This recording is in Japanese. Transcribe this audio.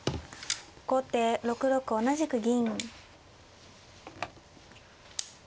後手６六同じく銀。